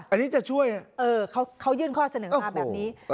อันนี้จะช่วยเขายื่นข้อเสนอมาแบบนี้